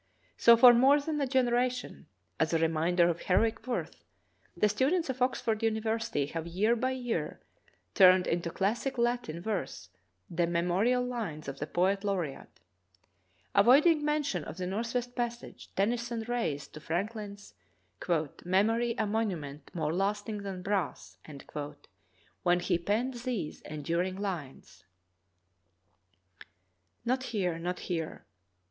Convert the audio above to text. So for more than a generation, as a reminder of heroic worth, the students of Oxford University have year by year turned into classic latin verse the memo rial lines of the poet laureate. Avoiding mention of the northwest passage, Tennyson raised to Franklin's "memory a monument more lasting than brass" when he penned these enduring lines: *' Not here, not here.